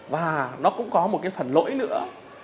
và nó cũng có một cái phần lỗi nữa